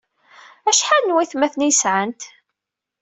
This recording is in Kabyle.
Acḥal n waytmaten ay sɛant?